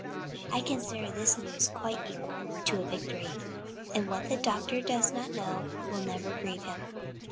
I consider this news quite equal to a victory, and what the doctor does not know will never grieve him.